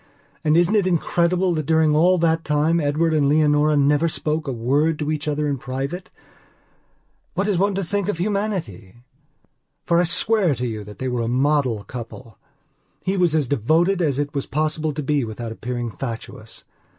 And isn't it incredible that during all that time Edward and Leonora never spoke a word to each other in private? What is one to think of humanity? For I swear to you that they were the model couple. He was as devoted as it was possible to be without appearing fatuous.